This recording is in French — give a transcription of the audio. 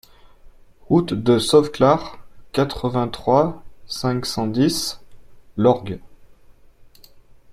Route de Sauveclare, quatre-vingt-trois, cinq cent dix Lorgues